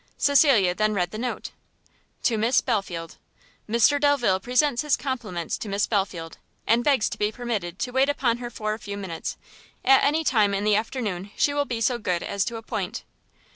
Cecilia then read the note. To Miss Belfield. Mr Delvile presents his compliments to Miss Belfield, and begs to be permitted to wait upon her for a few minutes, at any time in the afternoon she will be so good as to appoint.